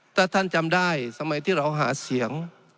ถ้าท่านจำได้สมัยที่เราหาเสียง